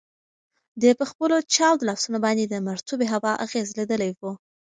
ده په خپلو چاودو لاسونو باندې د مرطوبې هوا اغیز لیدلی و.